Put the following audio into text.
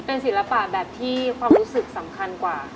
เป็นศิลปะแบบที่ความรู้สึกสำคัญกว่า